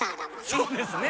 そうですね。